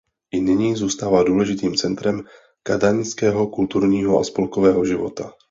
I nyní zůstává důležitým centrem kadaňského kulturního a spolkového života.